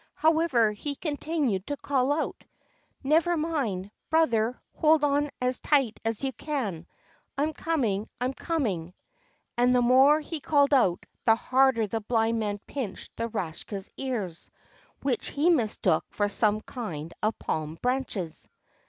However, he continued to call out: "Never mind, brother; hold on as tight as you can. I'm coming, I'm coming," and the more he called out, the harder the Blind Man pinched the Rakshas's ears, which he mistook for some kind of palm branches.